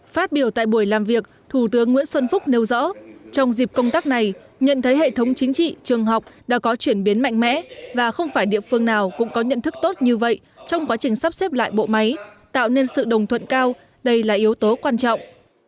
phát biểu tại buổi làm việc thủ tướng nguyễn xuân phúc nêu rõ trong dịp công tác này nhận thấy hệ thống chính trị trường học đã có chuyển biến mạnh mẽ và không phải địa phương nào cũng có nhận thức tốt như vậy trong quá trình sắp xếp lại bộ máy tạo nên sự đồng thuận cao đây là yếu tố quan trọng